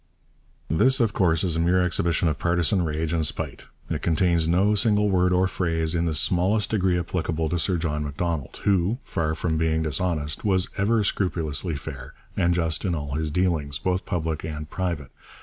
This of course is a mere exhibition of partisan rage and spite. It contains no single word or phrase in the smallest degree applicable to Sir John Macdonald, who, far from being dishonest, was ever scrupulously fair and just in all his dealings, both public and private.